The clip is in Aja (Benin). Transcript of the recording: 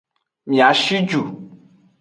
Mia shi ju.